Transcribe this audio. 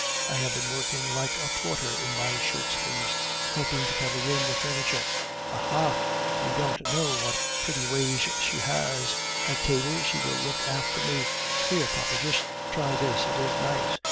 I have been working like a porter in my shirt sleeves, helping to carry in the furniture. Aha! you don't know what pretty ways she has; at table she will look after me, 'Here, papa, just try this, it is nice.